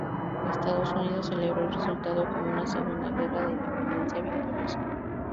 Estados Unidos celebró el resultado como una "segunda guerra de independencia" victoriosa.